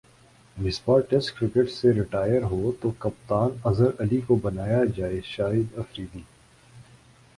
Misbah test cricket سے retire ہو تو کپتان اظہر علی کو بنایا جائےشاہد افریدی